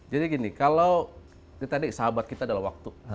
jadi gini kalau tadi sahabat kita adalah waktu